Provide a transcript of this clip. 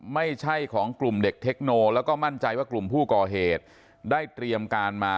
ไม่ใช่ของกลุ่มเด็กเทคโนแล้วก็มั่นใจว่ากลุ่มผู้ก่อเหตุได้เตรียมการมา